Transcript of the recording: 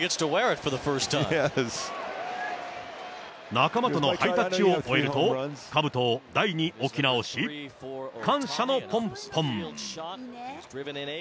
仲間とのハイタッチを終えると、かぶとを台に置き直し、感謝のぽんぽん。